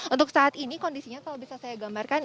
untuk saat ini kondisinya kalau bisa saya gambarkan